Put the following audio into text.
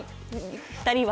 ２人は？